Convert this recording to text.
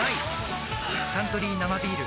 「サントリー生ビール」